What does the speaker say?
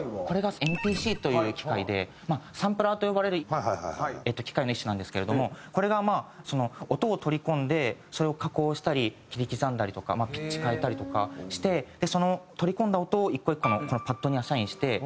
これがＭＰＣという機械でサンプラーと呼ばれる機械の一種なんですけれどもこれがまあ音を取り込んでそれを加工したり切り刻んだりとかピッチ変えたりとかしてその取り込んだ音を１個１個のパッドにアサインして。